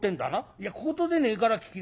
「いや小言でねえから聞きなせえ。